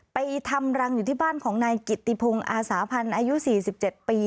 ไปทำรังอยู่ที่บ้านของนายกิตติพงศ์อาสาพันธ์อายุ๔๗ปี